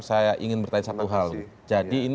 sampai jumpa again